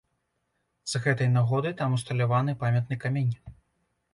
З гэтай нагоды там усталяваны памятны камень.